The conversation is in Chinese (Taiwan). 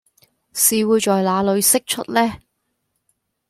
是會在哪裡釋出呢?